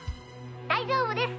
大丈夫です。